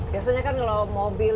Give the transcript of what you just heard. biasanya kan kalau mobil